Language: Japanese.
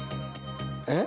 えっ？